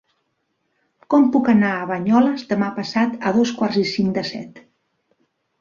Com puc anar a Banyoles demà passat a dos quarts i cinc de set?